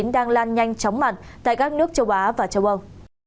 đang lan nhanh chóng mặt tại các nước châu á và châu âu